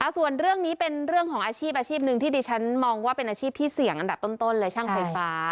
ส่วนเรื่องนี้เป็นเรื่องของอาชีพอาชีพหนึ่งที่ดิฉันมองว่าเป็นอาชีพที่เสี่ยงอันดับต้นเลยช่างไฟฟ้า